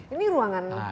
ini ruangan apa